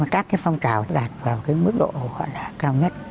các cái phong trào đạt vào cái mức độ gọi là cao nhất